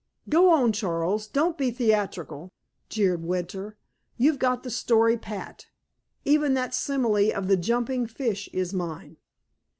"Go on, Charles; don't be theatrical," jeered Winter. "You've got the story pat. Even that simile of the jumping fish is mine."